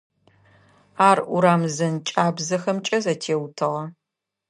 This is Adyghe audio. Ар урам зэнкӏабзэхэмкӏэ зэтеутыгъэ.